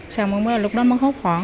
xong rồi lúc đó mới hốt khoảng